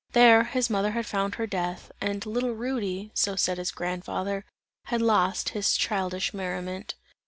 There, his mother had found her death, and, "little Rudy," so said his grandfather, "had lost his childish merriment."